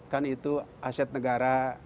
kan itu aset negara